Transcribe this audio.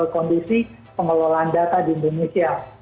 kondisi pengelolaan data di indonesia